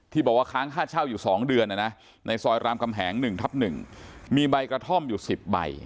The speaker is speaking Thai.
บอกว่าค้างค่าเช่าอยู่๒เดือนในซอยรามกำแหง๑ทับ๑มีใบกระท่อมอยู่๑๐ใบ